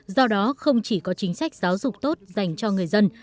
do đó không chỉ có chính sách giáo dục tốt dành cho người dân